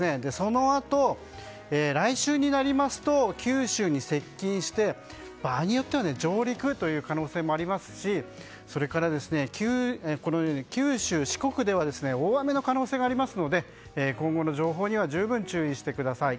そのあと、来週になりますと九州に接近して場合によっては上陸という可能性もありますしそれから九州、四国では大雨の可能性がありますので今後の情報には十分注意してください。